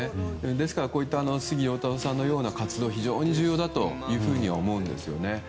ですからこうした杉良太郎さんのような活動は非常に重要だと思うんですよね。